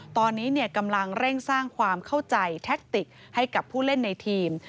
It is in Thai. ตอนนี้กำลังเร่งสร้างความเข้าใจแท็กติกให้กับผู้เล่นในทีม